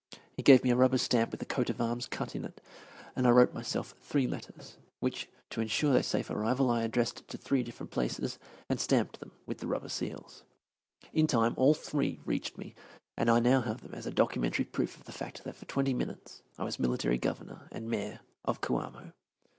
He gave me a rubber stamp with a coat of arms cut in it, and I wrote myself three letters, which, to insure their safe arrival, I addressed to three different places, and stamped them with the rubber seals. In time all three reached me, and I now have them as documentary proof of the fact that for twenty minutes I was Military Governor and Mayor of Coamo.